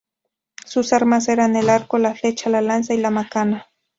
Sus armas eran el arco, la flecha, la lanza y la macana.